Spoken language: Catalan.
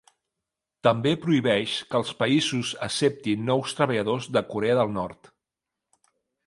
També prohibeix que els països acceptin nous treballadors de Corea del Nord.